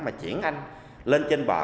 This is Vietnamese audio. mà chuyển anh lên trên bờ